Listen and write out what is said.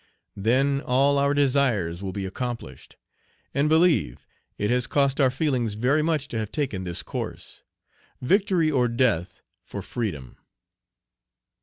Then all our desires will be accomplished; and believe it has cost our feelings very much to have taken this course. Victory or death for freedom!"